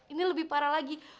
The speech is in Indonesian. ini lebih parah lagi